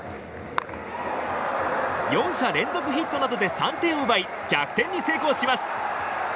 ４者連続ヒットなどで３点を奪い、逆転に成功します。